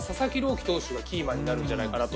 希投手がキーマンになるんじゃないかなと。